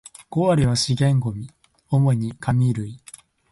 五割は資源ゴミ、主に紙類